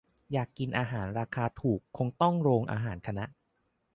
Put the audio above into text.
อยากกินอาหารราคาถูกคงต้องโรงอาหารคณะ